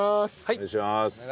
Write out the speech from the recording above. お願いします。